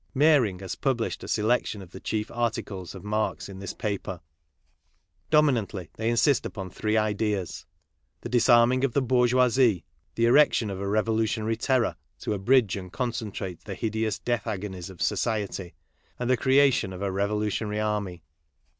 Mehring has published a selection of the chief articles of Marx in this paper. Dominantly, they insist upon three ideas : the disarming of the bourgeoisie, the erection of a revolutionary terror " 10 abridge and concentrate the hideous death agonies of society," and the creation of a revolutionary army.